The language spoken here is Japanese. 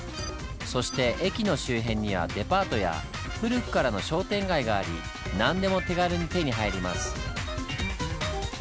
そして駅の周辺にはデパートや古くからの商店街があり何でも手軽に手に入ります。